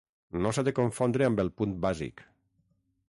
No s'ha de confondre amb el punt bàsic.